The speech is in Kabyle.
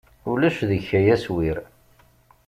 Ulac deg-k ay aswir.